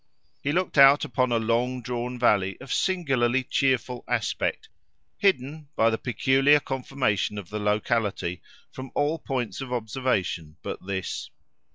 He looked out upon a long drawn valley of singularly cheerful aspect, hidden, by the peculiar conformation of the locality, from all points of observation but this.